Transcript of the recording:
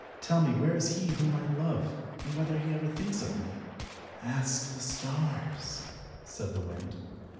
Tell me where is he whom I love, and whether he ever thinks of me." "Ask the stars," said the wind.